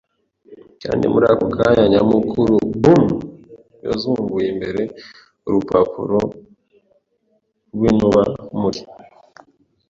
kandi muri ako kanya nyamukuru-boom yazunguye imbere, urupapuro rwinuba muri